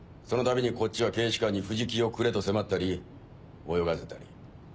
そのたびにこっちは警視監に「藤木をくれ」と迫ったり泳がせたり。